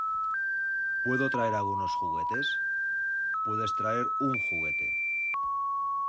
¿ Puedo traer algunos juguetes? Puedes traer un juguete.